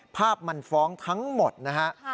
ภาพมันฟ้องทั้งหมดนะฮะ